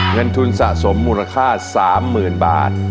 เงินทุนสะสมมูลค่า๓๐๐๐บาท